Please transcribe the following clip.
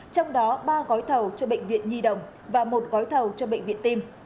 trong đó ba gói thầu cho bệnh viện nhi đồng và một gói thầu cho bệnh viện tim